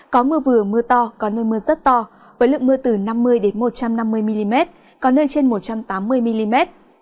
có mưa vừa mưa to có nơi mưa rất to với lượng mưa từ năm mươi một trăm năm mươi mm có nơi trên một trăm tám mươi mm